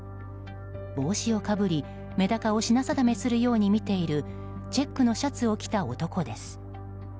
帽子をかぶり、メダカを品定めするように見ているチェックのシャツを着た男です。